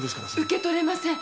受け取れません。